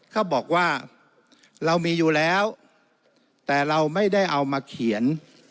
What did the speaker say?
เขาบอกว่าเรามีอยู่แล้วแต่เราไม่ได้เอามาเขียน